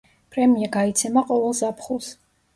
პრემია გაიცემა ყოველ ზაფხულს.